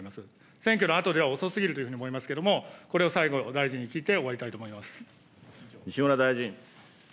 選挙のあとでは遅すぎるというふうに思いますけれども、これを最後、大臣に聞いて終わりたいと思西村大臣。